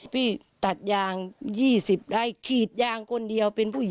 พี่ตัดยาง๒๐ไร้